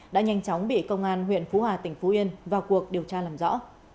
đã nhanh chóng bị công an huyện phú hòa tỉnh phú yên vào cuộc điều tra làm rõ